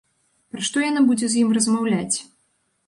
Пра што яна будзе з ім размаўляць?